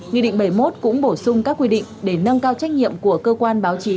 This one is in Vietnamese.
nghị định bảy mươi một cũng bổ sung các quy định để nâng cao trách nhiệm của cơ quan báo chí